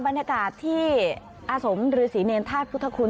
บรรยากาศที่อสมหรือศรีเนรทาสพุทธคุณ